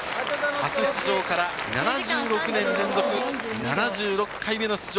初出場から７６年連続７６回目の出場。